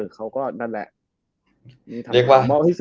เขาก็นั่นแหละ